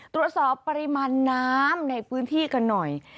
ตรวจสอบปริมาณน้ำในพื้นที่กันหน่อย